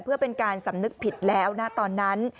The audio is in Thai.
เพื่อเป็นการสำนึกผิดแล้วนะตอนนั้น